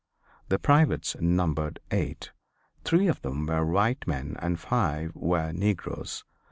The privates numbered eight. Three of them were white men and five were negroes.